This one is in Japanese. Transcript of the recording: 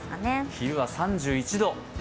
昼は３１度。